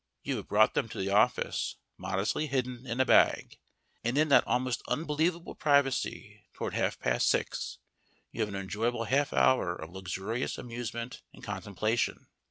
You have brought them to the office, modestly hidden, in a bag; and in that almost unbelievable privacy, toward half past six, you have an enjoyable half hour of luxurious amusement and contemplation.